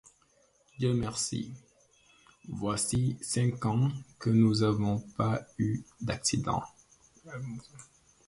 Dieu merci, voici cinq ans que nous n'avons pas eu d'accident.